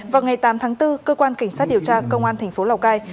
vào ngày tám tháng bốn cơ quan cảnh sát điều tra công an thành phố lào cai